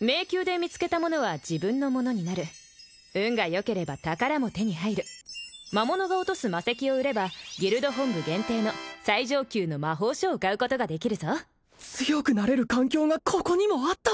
迷宮で見つけたものは自分のものになる運がよければ宝も手に入る魔物が落とす魔石を売ればギルド本部限定の最上級の魔法書を買うことができるぞ強くなれる環境がここにもあった！